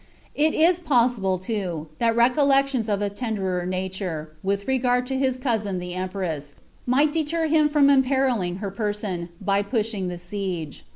It is possible, too, that recollections of a tenderer nature, with regard to his cousin the empress, might deter him from imperilling her person, by pushing the siege.